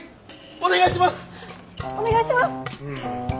お願いします！